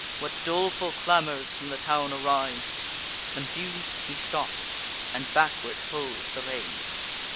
What doleful clamours from the town arise?" Confus'd, he stops, and backward pulls the reins.